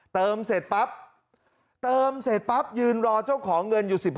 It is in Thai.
เติมเสร็จปั๊บเติมเสร็จปั๊บยืนรอเจ้าของเงินอยู่๑๕